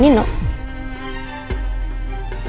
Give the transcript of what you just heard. nino mau ambil hak asuh reina